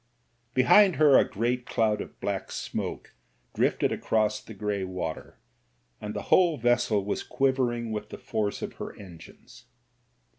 Behind her a great cloud of black smoke drifted across the grey water, and the whole vessel was quivering with the force of her engines.